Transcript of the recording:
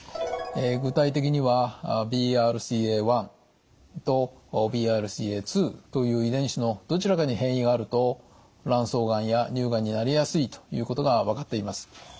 具体的にはＢＲＣＡ１とＢＲＣＡ２という遺伝子のどちらかに変異があると卵巣がんや乳がんになりやすいということが分かっています。